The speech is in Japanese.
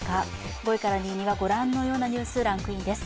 ５位から２位にはご覧のようなニュース、ランクインです。